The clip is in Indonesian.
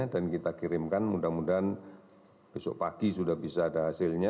dan kita kirimkan mudah mudahan besok pagi sudah bisa ada hasilnya